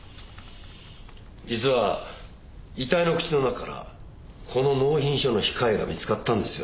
実は遺体の口の中からこの納品書の控えが見つかったんですよ。